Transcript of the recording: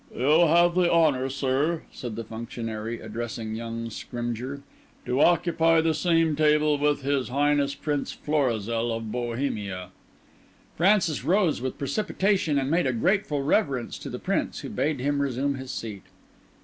"You have the honour, sir," said the functionary, addressing young Scrymgeour, "to occupy the same table with His Highness Prince Florizel of Bohemia." Francis rose with precipitation, and made a grateful reverence to the Prince, who bade him resume his seat.